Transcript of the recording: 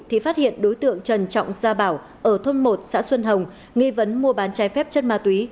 thì phát hiện đối tượng trần trọng gia bảo ở thôn một xã xuân hồng nghi vấn mua bán trái phép chất ma túy